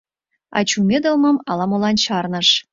А чумедылмым ала-молан чарныш.